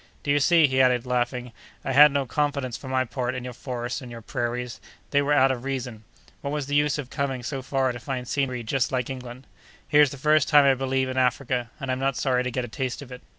Do you see," he added, laughing, "I had no confidence, for my part, in your forests and your prairies; they were out of reason. What was the use of coming so far to find scenery just like England? Here's the first time that I believe in Africa, and I'm not sorry to get a taste of it."